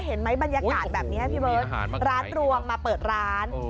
เห็นไหมบรรยากาศแบบนี้พี่เบิร์ตร้านรวงมาเปิดร้าน